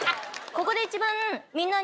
ここで一番。